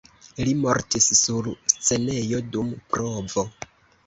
Li mortis sur scenejo dum provo.